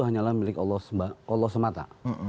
hanyalah milik allah semata